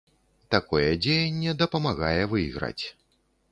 Такое дзеянне дапамагае выйграць.